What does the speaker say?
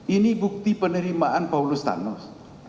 ini bukti penerimaan paulus thanus